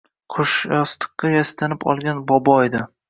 Qo‘shyostiqqa yastanib olgan bobo edi.